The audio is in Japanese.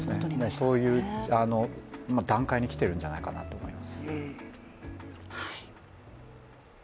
そういう段階に来ているんじゃないかなと思います。